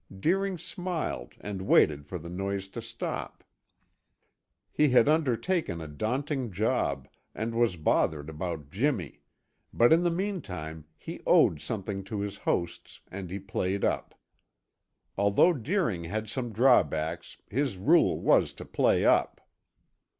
Deering smiled and waited for the noise to stop. He had undertaken a daunting job and was bothered about Jimmy, but in the meantime he owed something to his hosts and he played up. Although Deering had some drawbacks, his rule was to play up.